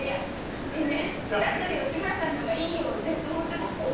だったら吉村さんのほうがいいよ。